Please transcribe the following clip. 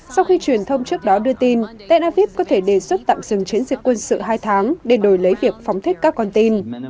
sau khi truyền thông trước đó đưa tin tel aviv có thể đề xuất tạm dừng chiến dịch quân sự hai tháng để đổi lấy việc phóng thích các con tin